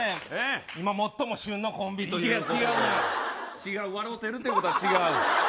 今、最も旬のコンビということで笑ってるっていうこと違う。